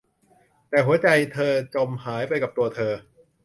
แต่หัวใจเธอจมหายไปกับตัวเธอ